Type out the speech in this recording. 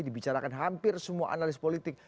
dibicarakan hampir semua analis politik